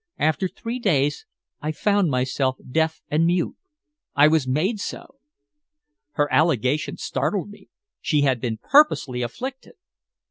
After three days I found myself deaf and dumb I was made so." Her allegation startled me. She had been purposely afflicted!